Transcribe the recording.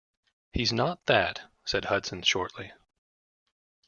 "He's not that," said Hudson shortly.